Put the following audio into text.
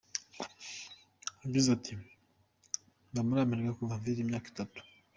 Yagize ati “Mba muri Amerika kuva mfite imyaka itatu.